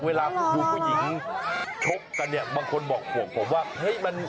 เวลาผู้หญิงชบกันบางคนบอกผมว่า